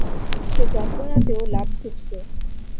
সে যন্ত্রণাতেও লাভ খুঁজতো।